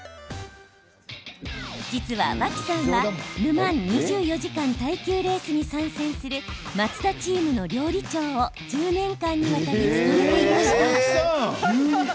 実は、脇さんはル・マン２４時間耐久レースに参戦するマツダチームの料理長を１０年間にわたり務めていました。